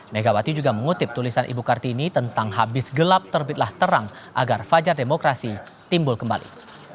megawati juga mengutip tulisan ibu kartini tentang habis gelap terbitlah terang agar fajar demokrasi timbul kembali